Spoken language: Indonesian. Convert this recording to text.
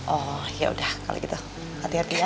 oh yaudah kalau gitu hati hati ya